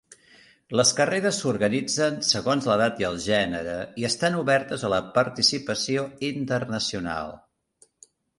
Les carreres s'organitzen segons l'edat i el gènere, i estan obertes a la participació internacional.